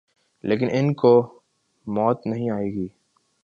لیکن ان کوموت نہیں آئے گی